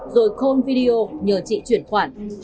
rồi call video nhờ chị chuyển khoản